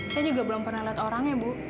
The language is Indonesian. saya juga belum pernah lihat orangnya bu